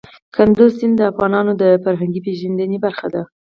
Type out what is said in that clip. کندز سیند د افغانانو د فرهنګي پیژندنې برخه ده.